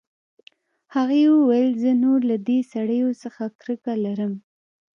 هغې وویل زه نور له دې سړیو څخه کرکه لرم